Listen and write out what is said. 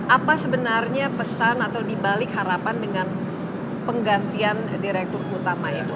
apa sebenarnya pesan atau dibalik harapan dengan penggantian direktur utama itu